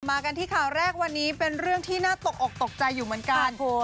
กันที่ข่าวแรกวันนี้เป็นเรื่องที่น่าตกอกตกใจอยู่เหมือนกัน